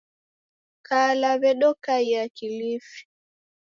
Kala, w'edokaiya Kilifi